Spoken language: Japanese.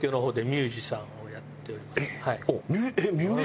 ミュージシャンをやってます。